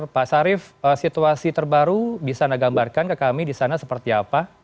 pak sarif situasi terbaru bisa anda gambarkan ke kami di sana seperti apa